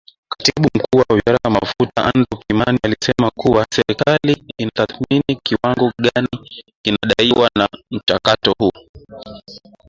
Katibu Mkuu wa Wizara ya Mafuta Andrew Kamau alisema kuwa serikali inatathmini kiwango gani kinadaiwa na mchakato huo.